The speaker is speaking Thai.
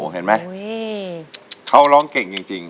เห็นไหมเขาร้องเก่งจริง